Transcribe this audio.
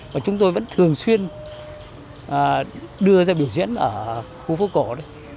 và chúng tôi vẫn thường xuyên đưa ra biểu diễn ở khu phố cổ đấy